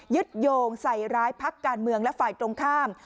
โยงใส่ร้ายพักการเมืองและฝ่ายตรงข้าม